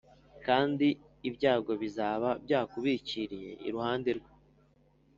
kandi ibyago bizaba byubikiriye iruhande rwe